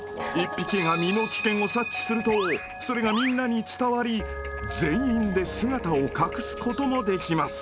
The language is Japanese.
１匹が身の危険を察知するとそれがみんなに伝わり全員で姿を隠すこともできます。